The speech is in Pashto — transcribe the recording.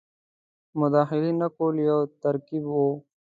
مداخلې نه کولو یو ترکیب وو.